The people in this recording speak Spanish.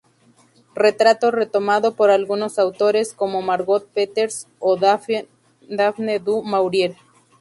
Retrato retomado por algunos autores, como Margot Peters o Daphne du Maurier.